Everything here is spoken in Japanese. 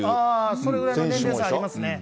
それぐらいの年齢差ありますね。